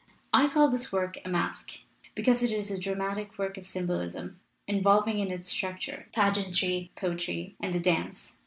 "I call this work a masque, because it is a dramatic work of symbolism, involving in its structure pageantry, poetry, and the dance.